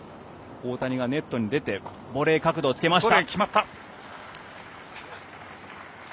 大谷がネットに出てボレー角度をつけました。